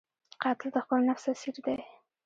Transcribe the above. قاتل د خپل نفس اسیر دی